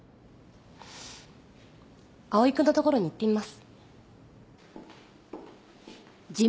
蒼君のところに行ってみます。